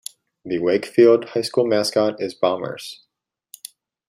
The Wakefield High School mascot is Bombers.